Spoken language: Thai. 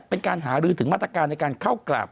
เป็นการหารือถึงมาตรการในการเข้ากราบ